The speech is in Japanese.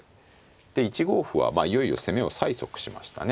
で１五歩はいよいよ攻めを催促しましたね。